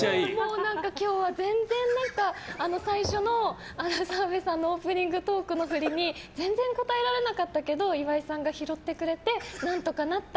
今日は全然最初の澤部さんのオープニングトークのフリに全然答えられなかったけど岩井さんが拾ってくれて何とかなった。